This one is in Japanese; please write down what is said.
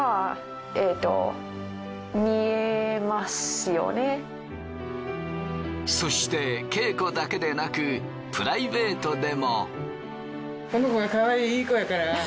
しかしそして稽古だけでなくプライベートでも。